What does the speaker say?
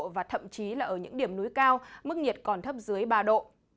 và thậm chí là ở những điểm núi cao mức nhiệt còn thấp dưới ba độ